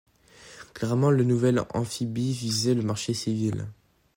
Clairement le nouvel amphibie visait le marché civil.